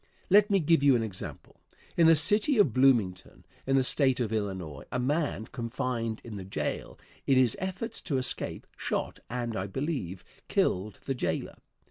Let me give you an example. In the city of Bloomington, in the State of Illinois, a man confined in the jail, in his efforts to escape, shot and, I believe, killed the jailer.